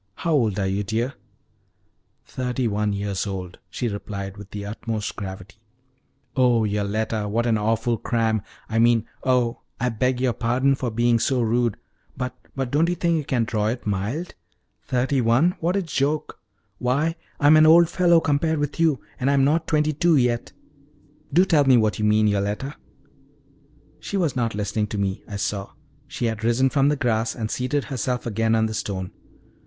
How old are you, dear?" "Thirty one years old," she replied, with the utmost gravity. "Oh, Yoletta, what an awful cram! I mean oh, I beg your pardon for being so rude! But but don't you think you can draw it mild? Thirty one what a joke! Why, I'm an old fellow compared with you, and I'm not twenty two yet. Do tell me what you mean, Yoletta?" She was not listening to me, I saw: she had risen from the grass and seated herself again on the stone.